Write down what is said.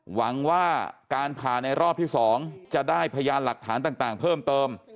หวังว่าการผ่าในรอบที่๒จะได้พยานหลักฐานต่างเพิ่มเติม